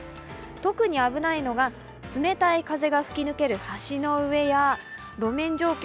特に危ないのが冷たい風が吹き抜ける橋の上や路面状況